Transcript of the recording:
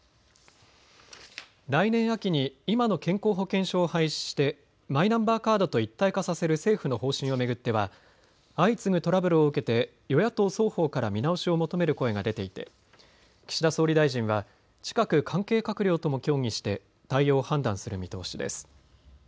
来年秋に今の健康保険証を廃止してマイナンバーカードと一体化させる政府の方針を巡っては相次ぐトラブルを受けて与野党双方から見直しを求める声が出ていて岸田総理大臣は近く関係閣僚とも協議して対応を判断する見通しです。